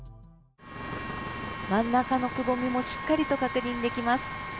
真ん中のくぼみもしっかりと確認できます。